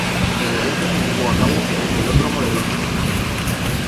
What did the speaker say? El evento se llevó a cabo en el Velódromo de Londres.